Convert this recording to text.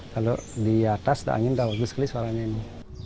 kalau di atas angin udah bagus sekali suaranya ini